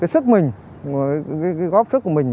sức mình góp sức của mình